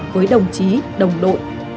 với đồng chí đồng đội